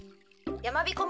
やまびこ